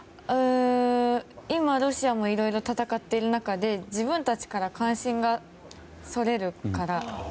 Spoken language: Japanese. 今、ロシアもいろいろ戦っている中で自分たちから関心がそれるから。